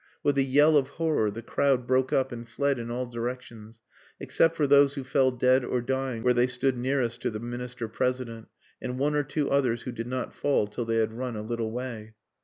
With a yell of horror the crowd broke up and fled in all directions, except for those who fell dead or dying where they stood nearest to the Minister President, and one or two others who did not fall till they had run a little way.